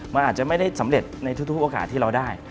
มันอาจจะไม่ได้สำเร็จในทุกโอกาสที่เราได้